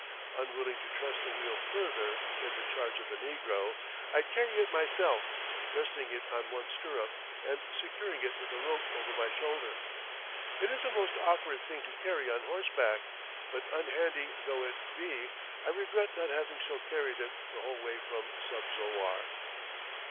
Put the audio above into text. Unwilling to trust the wheel further in the charge of the negro, I carry it myself, resting it on one stirrup, and securing it with a rope over my shoulder. It is a most awkward thing to carry on horseback; but, unhandy though it be, I regret not having so carried it the whole way from Subzowar.